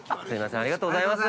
ありがとうございます。